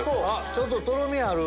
ちょっととろみある。